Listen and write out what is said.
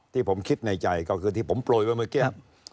ที่ผมคิดในใจก็คือที่ผมโปรยไว้เมื่อกี้